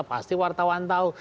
pasti wartawan tahu